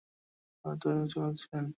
তিনি ভারতাশ্রমের পরিচালক ছিলেন।